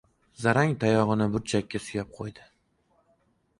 Zarang tayog‘ini burchakka suyab ko‘ydi.